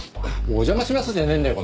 「お邪魔します」じゃねえんだよ